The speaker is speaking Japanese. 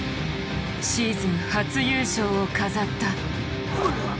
シーズン初優勝を飾った。